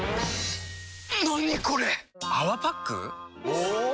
お！